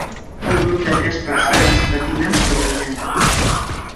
Un grup de tres persones patinen sobre gel.